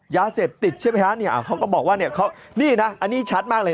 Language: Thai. ยาเสพติดใช่ไหมฮะเนี่ยเขาก็บอกว่าเนี่ยเขานี่นะอันนี้ชัดมากเลย